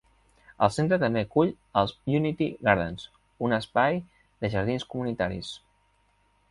El centre també acull els Unity Gardens, un espai de jardins comunitaris.